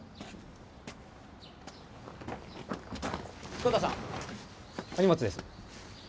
志子田さんお荷物です。